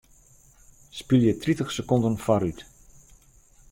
Spylje tritich sekonden foarút.